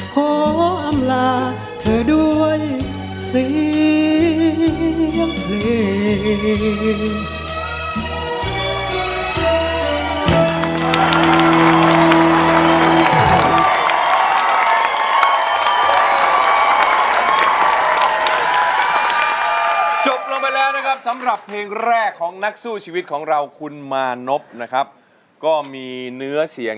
ขออำลาเธอด้วยเสียงเพลง